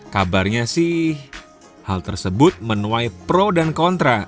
kabarnya sih hal tersebut menuai pro dan kontra